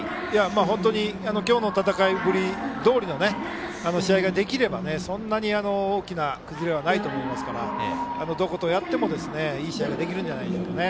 本当に今日の戦いぶりどおりの試合ができればそんなに大きな崩れはないと思いますからどことやってもいい試合ができるんじゃないですかね。